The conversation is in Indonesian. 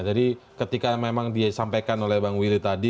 jadi ketika memang disampaikan oleh bang willy tadi